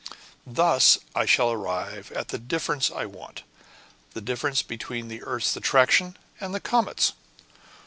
Thus I shall arrive at the difference I want: the difference between the earth's attraction and the comet's.